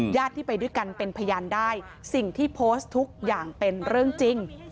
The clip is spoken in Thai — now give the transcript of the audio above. ญาติที่ไปด้วยกันเป็นพยานได้สิ่งที่โพสต์ทุกอย่างเป็นเรื่องจริง